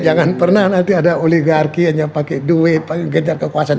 jangan pernah nanti ada oligarki hanya pakai duit pakai gencar kekuasaan